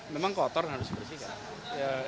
memang kotor harus bersihkan